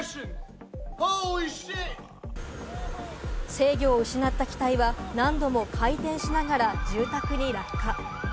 制御を失った機体は何度も回転しながら住宅に落下。